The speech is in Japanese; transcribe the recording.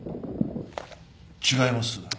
違います。